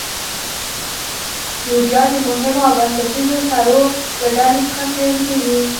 یوریا د مهمو او بنسټیزو سرو له ډلې څخه شمیرل کیږي.